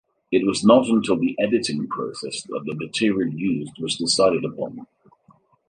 It was not until the editing process that the material used was decided upon.